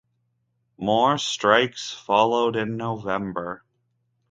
More strikes followed in November.